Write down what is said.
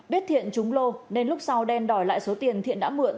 biết thiện chúng lô nên lúc sau đen đòi lại số tiền thiện đã mượn